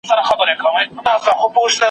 د ټیم په بڼه کار کول ګټور دی.